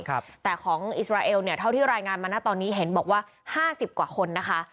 แต่ของอิสราเอลเนี่ยเท่าที่รายงานมานะตอนนี้เห็นบอกว่าห้าสิบกว่าคนนะคะ